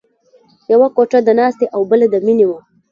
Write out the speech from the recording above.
یوه کوټه د ناستې او بله د مینې وه